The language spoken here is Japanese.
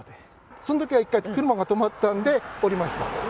そのときは一回車が止まったんで、降りました。